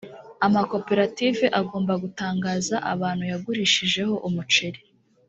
amakoperative agomba gutangaza abantu yagurishijeho umuceri